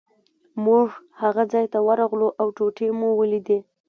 موږ هغه ځای ته ورغلو او ټوټې مو ولیدې.